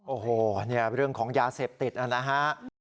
โอ้โหเนี่ยเรื่องของยาเสพติดนะฮะ